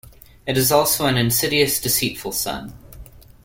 It is also an insidious, deceitful sun.